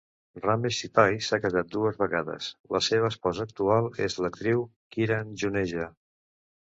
Ramesh Sippy s'ha casat dues vegades; la seva esposa actual és l'actriu Kiran Juneja.